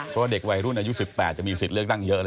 เพราะว่าเด็กวัยรุ่นอายุ๑๘จะมีสิทธิ์เลือกตั้งเยอะ